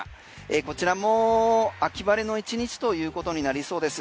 こちらも秋晴れの１日ということになりそうです。